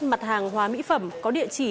mặt hàng hóa mỹ phẩm có địa chỉ